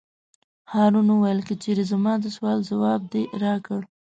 هارون وویل: که چېرې زما د سوال ځواب دې راکړ.